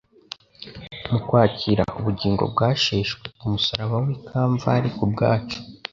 Mu kwakira ubugingo bwasheshwe ku musaraba w'i Kamvali ku bwacu